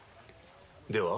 では？